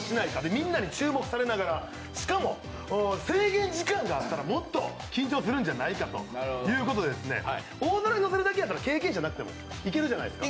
みんなに注目されながら、しかも制限時間があったらもっと緊張するんじゃないかということで大皿に乗せるだけなら経験者じゃなくてもいけるじゃないですか。